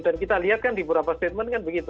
dan kita lihat kan di beberapa statement kan begitu